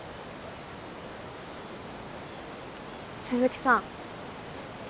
鈴木さん